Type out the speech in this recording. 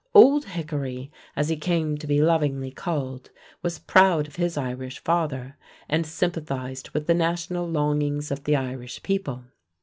"Old Hickory", as he came to be lovingly called, was proud of his Irish father, and sympathized with the national longings of the Irish people.